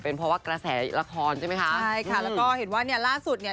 เพราะว่ากระแสละครใช่ไหมคะใช่ค่ะแล้วก็เห็นว่าเนี่ยล่าสุดเนี่ย